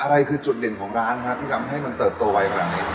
อะไรคือจุดเด่นของร้านที่จำให้มันเติบโตไว้กว่านี้